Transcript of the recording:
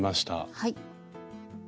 はい。